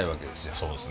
そうですね。